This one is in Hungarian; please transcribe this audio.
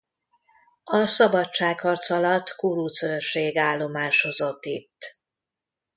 A szabadságharc alatt kuruc őrség állomásozott itt.